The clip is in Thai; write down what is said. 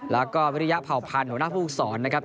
แล้วก็วิทยาภาพันธ์หัวหน้าผู้สอนนะครับ